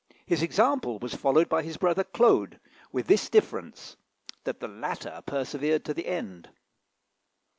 His example was followed by his brother Claude, with this difference, that the latter persevered to the end.